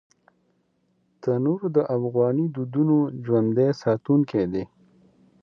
تنور د افغاني دودونو ژوندي ساتونکی دی